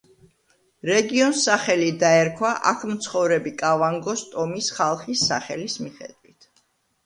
რეგიონს სახელი დაერქვა აქ მცხოვრები კავანგოს ტომის ხალხის სახელის მიხედვით.